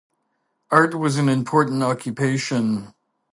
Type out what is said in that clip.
Art was an important occupation.